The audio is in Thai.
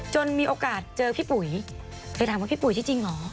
มีโอกาสเจอพี่ปุ๋ยไปถามว่าพี่ปุ๋ยที่จริงเหรอ